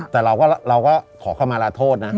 แต่เราก็ขอคำมารับโทษนะ